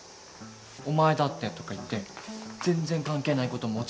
「お前だって」とか言って全然関係ない事持ち出すの。